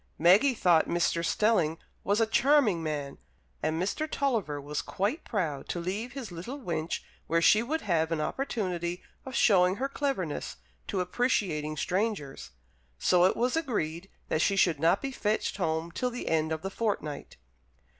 Maggie thought Mr. Stelling was a charming man, and Mr. Tulliver was quite proud to leave his little wench where she would have an opportunity of showing her cleverness to appreciating strangers. So it was agreed that she should not be fetched home till the end of the fortnight.